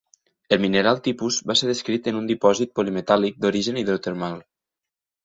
El mineral tipus va ser descrit en un dipòsit polimetàl·lic d'origen hidrotermal.